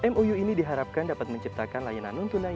mou ini diharapkan dapat menciptakan layanan nontonan